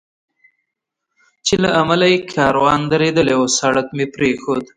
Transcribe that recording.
چې له امله یې کاروان درېدلی و، سړک مې پرېښود.